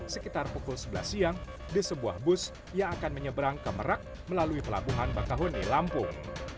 sekitar pukul sebelas siang di sebuah bus yang akan menyeberang ke merak melalui pelabuhan bakahuni lampung